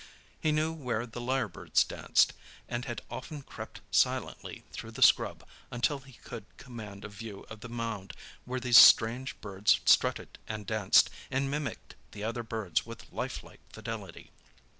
He knew where the lyrebirds danced, and had often crept silently through the scrub until he could command a view of the mound where these strange birds strutted and danced, and mimicked the other birds with life like fidelity.